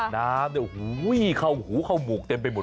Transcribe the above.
น้ำเนี่ยเข้าหูเข้าหมูกเต็มไปหมด